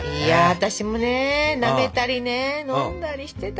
私もねなめたりね飲んだりしてた。